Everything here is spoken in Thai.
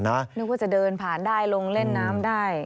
นึกว่าจะเดินผ่านได้ลงเล่นน้ำได้